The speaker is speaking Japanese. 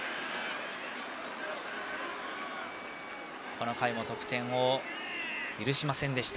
この回も得点を許しませんでした。